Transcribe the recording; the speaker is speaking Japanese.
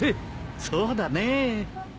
そうだね。